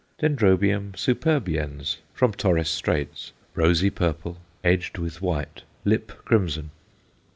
D. superbiens, from Torres Straits, rosy purple, edged with white, lip crimson.